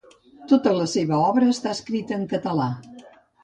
Tota la seva obra està escrita en català.